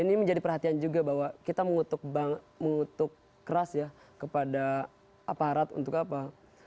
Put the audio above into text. ini menjadi perhatian juga bahwa kita mengutuk keras ya kepada aparat untuk apa